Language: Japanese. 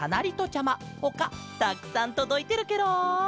ちゃまほかたくさんとどいてるケロ！